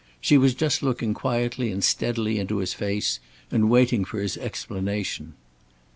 She was just looking quietly and steadily into his face and waiting for his explanation.